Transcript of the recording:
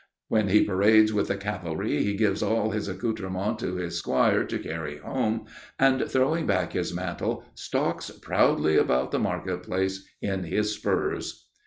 "When he parades with the cavalry he gives all his accoutrements to his squire to carry home, and throwing back his mantle stalks proudly about the market place in his spurs."